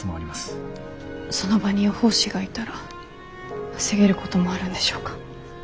その場に予報士がいたら防げることもあるんでしょうか。